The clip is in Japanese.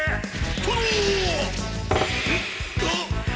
殿！